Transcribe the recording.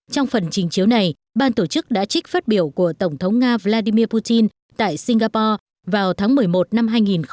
trong phần trình chiếu này ban tổ chức đã trích phát biểu của tổng thống nga vladimir putin tại singapore vào tháng một mươi một năm hai nghìn một mươi tám